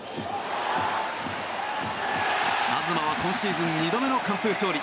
東は今シーズン２度目の完封勝利。